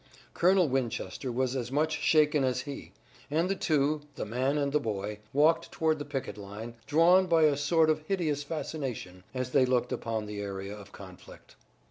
Colonel Winchester was as much shaken as he, and the two, the man and the boy, walked toward the picket line, drawn by a sort of hideous fascination, as they looked upon the area of conflict.